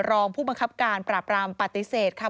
รองผู้บังคับการปราบรามปฏิเสธค่ะ